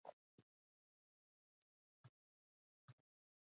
له یوې ګټې بلې ته لاړې؛ پوروړی شوم.